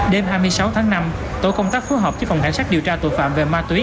đêm hai mươi sáu tháng năm tổ công tác phối hợp với phòng cảnh sát điều tra tội phạm về ma túy